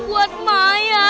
bener bel kemana ya dia